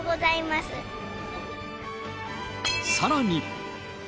さらに。